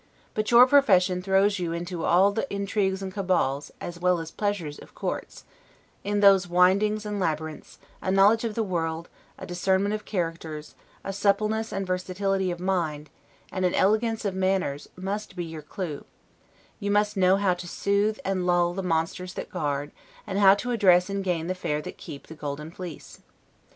But your profession throws you into all the intrigues and cabals, as well as pleasures, of courts: in those windings and labyrinths, a knowledge of the world, a discernment of characters, a suppleness and versatility of mind, and an elegance of manners, must be your clue; you must know how to soothe and lull the monsters that guard, and how to address and gain the fair that keep, the golden fleece.